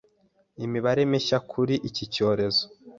imibare mishya kuri iki cyorezo,